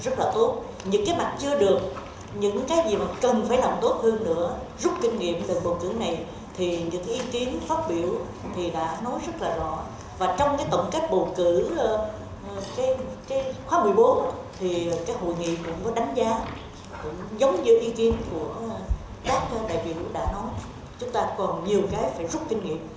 các đại biểu đã nói chúng ta còn nhiều cái phải rút kinh nghiệm